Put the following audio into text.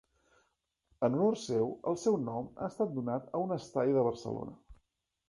En honor seu, el seu nom ha estat donat a un estadi de Barcelona.